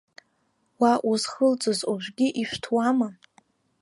Уа узхылҵыз ожәгьы ишәҭуама?